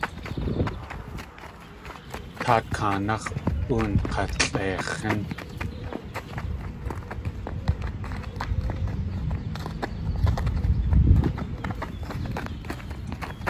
Taat kaanáx̲ oonk̲alʼeix̲ín.